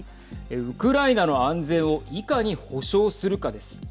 ウクライナの安全をいかに保障するかです。